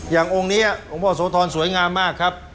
องค์นี้องค์พ่อโสธรสวยงามมากครับ